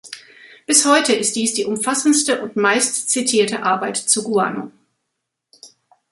Bis heute ist dies die umfassendste und meistzitierte Arbeit zu Guano.